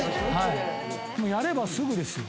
やればすぐですよ。